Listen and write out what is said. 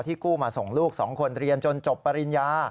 กู้มาส่งลูก๒คนเรียนจนจบปริญญา